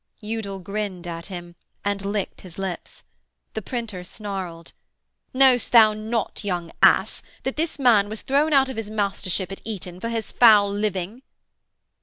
Udal grinned at him, and licked his lips. The printer snarled: 'Know'st thou not, young ass, that this man was thrown out of his mastership at Eton for his foul living?'